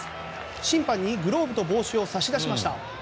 審判にグローブと帽子を差し出しました。